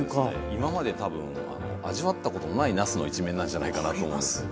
今まで多分味わったことのないなすの一面なんじゃないかなと思うんです。